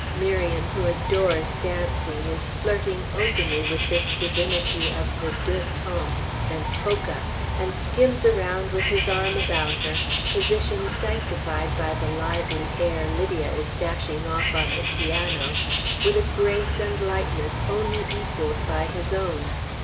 Miriam, who adores dancing, is flirting openly with this divinity of the "Deux Temps" and polka, and skims around with his arm about her (position sanctified by the lively air Lydia is dashing off on the piano) with a grace and lightness only equaled by his own.